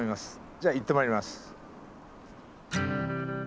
じゃあ行って参ります。